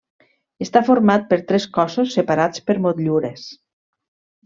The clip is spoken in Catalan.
Està format per tres cossos separats per motllures.